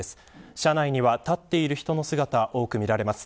車内には立っている人の姿が多く見られます。